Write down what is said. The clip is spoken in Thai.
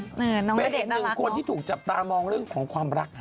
เป็นอีก๑คนหลังจากตามองเรื่องของความรัก